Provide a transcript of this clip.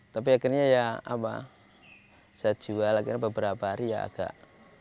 tapi akhirnya ya apa saya jual akhirnya beberapa hari ya agak